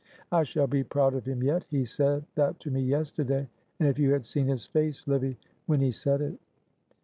"'I shall be proud of him yet,' he said that to me yesterday, and if you had seen his face, Livy, when he said it!"